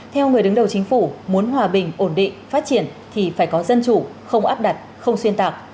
theo người đứng đầu chính phủ muốn hòa bình ổn định phát triển thì phải có dân chủ không áp đặt không xuyên tạc